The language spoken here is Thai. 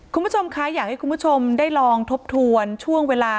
คุณผู้ชมคะอยากให้คุณผู้ชมได้ลองทบทวนช่วงเวลา